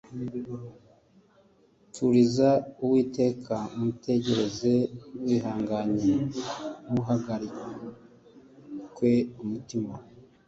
Turiza uwiteka umutegereze wihanganye, ntuhagarikwe umutima